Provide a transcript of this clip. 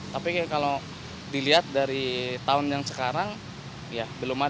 tapi kalau dilihat dari tahun yang sekarang ya belum ada